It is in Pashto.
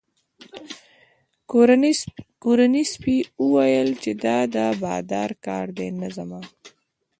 کورني سپي وویل چې دا د بادار کار دی نه زما.